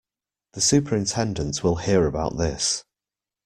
The superintendent will hear about this.